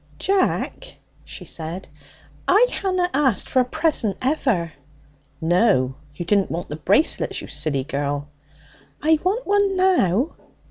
'Jack,' she said, 'I hanna asked for a present ever.' 'No. You didn't want the bracelets, you silly girl.' 'I want one now.'